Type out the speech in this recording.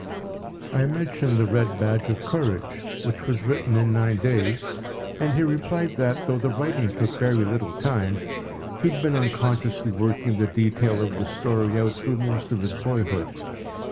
p> I mentioned “The Red Badge of Courage,” which was written in nine days, and he replied that, though the writing took very little time, he had been unconsciously working the detail of the story out through most of his boyhood.